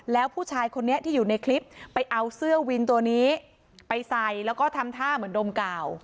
แล้วผู้ชายคนนี้ที่อยู่ในคลิปไปเอาเสื้อวินตัวนี้ไปใส่แล้วก็ทำท่าเหมือนดมกาว